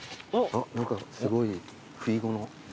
何かすごいふいごの。